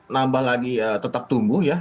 nambah lagi tetap tumbuh ya